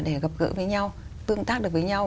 để gặp gỡ với nhau tương tác được với nhau